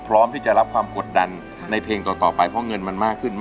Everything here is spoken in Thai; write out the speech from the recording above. พร้อมที่จะรับความกดดันในเพลงต่อไปเพราะเงินมันมากขึ้นมาก